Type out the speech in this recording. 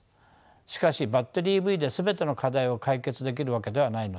しかしバッテリーＥＶで全ての課題を解決できるわけではないのです。